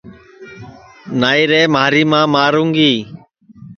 نائی رے مھاری ماں ماروں گی